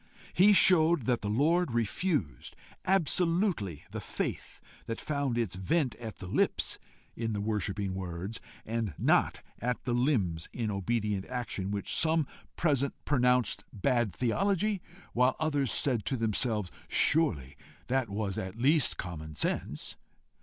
He showed that the Lord refused absolutely the faith that found its vent at the lips in the worshipping words, and not at the limbs in obedient action which some present pronounced bad theology, while others said to themselves surely that at least was common sense.